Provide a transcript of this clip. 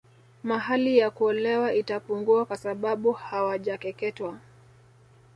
Mahali ya kuolewa itapungua kwa sabau hawajakeketwa